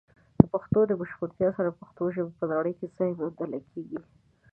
د پښتو د بشپړتیا سره، د پښتو ژبې په نړۍ کې ځای موندل کیږي.